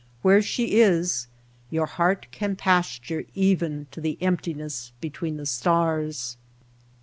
Where she is your heart can pasture even to the emptiness be between the stars."